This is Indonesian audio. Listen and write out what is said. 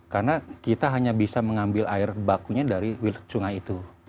karena kita hanya bisa mengambil air bakunya dari sungai itu